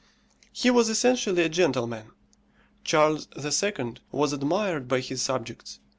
He was essentially a gentleman. Charles II. was admired by his subjects.